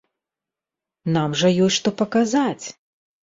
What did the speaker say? Нам жа ёсць, што паказаць!